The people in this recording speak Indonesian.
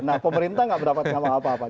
nah pemerintah nggak berdapat sama apa apa